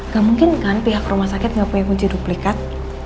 gak mungkin kan pihak rumah sakit nggak punya kunci duplikat